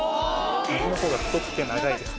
右のほうが太くて長いです。